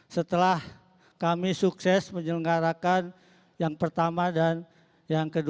setelah kami sukses menyelenggarakan yang pertama dan yang kedua